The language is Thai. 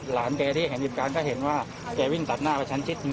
หลานแกที่เห็นหยิบการก็เห็นว่าแกวิ่งตัดหน้ากับชั้นชิดจริง